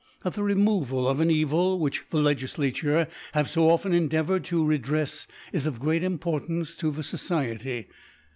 That the Removal of an Evil, which the LegiflaCure have fo often endeavoured to redrefs, is of great Impor tance to the Society.